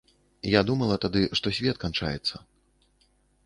Я думала тады, што свет канчаецца.